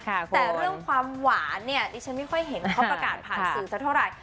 แต่เรื่องความหวานเนี่ยดิฉันไม่ค่อยเห็นเขาประกาศผ่านสื่อสักเท่าไหร่